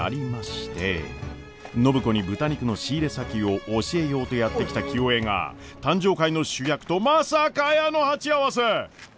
暢子に豚肉の仕入れ先を教えようとやって来た清恵が誕生会の主役とまさかやーの鉢合わせ。